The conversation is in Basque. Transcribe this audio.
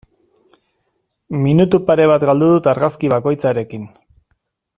Minutu pare bat galdu dut argazki bakoitzarekin.